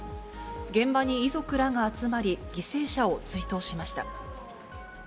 現場に遺族らが集まり、犠牲者を追悼しました。